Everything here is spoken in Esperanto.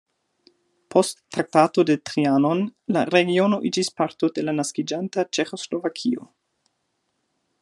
Post Traktato de Trianon la regiono iĝis parto de la naskiĝanta Ĉeĥoslovakio.